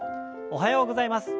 おはようございます。